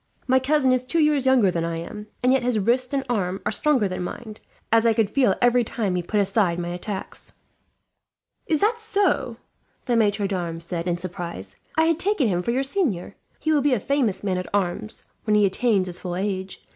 My cousin is two years younger than I am, and yet his wrist and arm are stronger than mine, as I could feel every time he put aside my attacks." "Is that so?" the maitre d'armes said, in surprise. "I had taken him for your senior. He will be a famous man at arms, when he attains his full age.